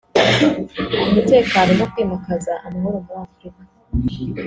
umutekano no kwimakaza amahoro muri Afurika